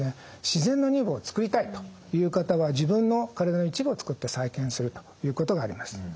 自然な乳房を作りたいという方は自分の体の一部を使って再建するということがあります。